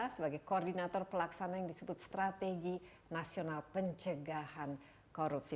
sebagai koordinator pelaksana yang disebut strategi nasional pencegahan korupsi